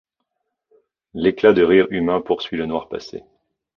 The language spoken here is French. L'éclat de rire humain poursuit le noir passé